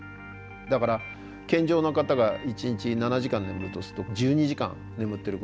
だから健常な方が１日７時間眠るとすると１２時間眠ってることになります。